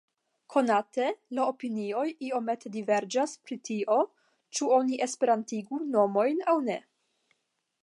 Konate, la opinioj iomete diverĝas pri tio, ĉu oni esperantigu nomojn aŭ ne.